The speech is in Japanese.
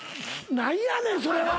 何やねんそれは！